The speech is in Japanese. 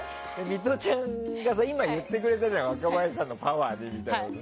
ミトちゃんが今、言ってくれたじゃん若林さんのパワーにみたいなこと。